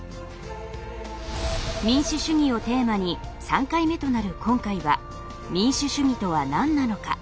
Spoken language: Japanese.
民主主義をテーマに３回目となる今回は民主主義とは何なのか？